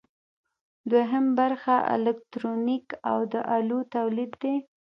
دوهم برخه الکترونیک او د الو تولید دی.